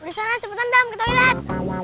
udah sana cepetan dam ke toilet